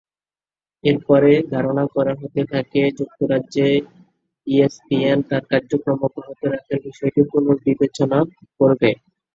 এর পরে ধারণা করা হতে থাকে, যুক্তরাজ্যে ইএসপিএন তার কার্যক্রম অব্যাহত রাখার বিষয়টি পুনর্বিবেচনা করবে।